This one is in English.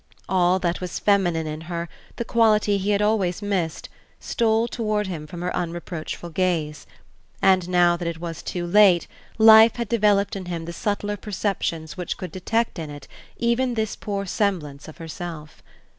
All that was feminine in her, the quality he had always missed, stole toward him from her unreproachful gaze; and now that it was too late life had developed in him the subtler perceptions which could detect it in even this poor semblance of herself.